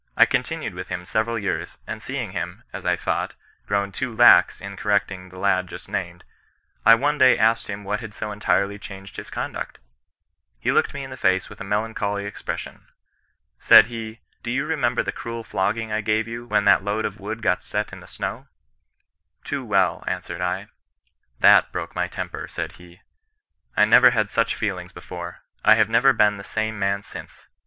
I continued with him several years, and seeing him, as I thought, grown too lax in correcting the lad just named, I one day asked him what had so entirely changed his conduct ? He looked me in the face with a melancholy expression. Said he —* Do you remember the cruel flogging I gave you when that load of wood got set in the snow V Too well, answered I. * That broke my temper,' said he. * I never had such feelings before. I have never been the same man since.